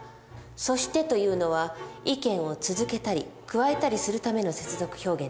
「そして」というのは意見を続けたり加えたりするための接続表現なの。